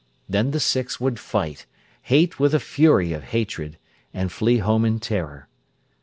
Then the six would fight, hate with a fury of hatred, and flee home in terror.